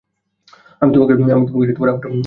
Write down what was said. আমি তোমাকে আবারও ফিরে পেতে চাই!